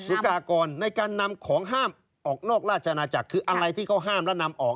กากรในการนำของห้ามออกนอกราชนาจักรคืออะไรที่เขาห้ามแล้วนำออก